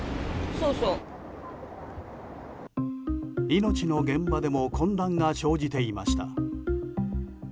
命の現場でも混乱が生じていました。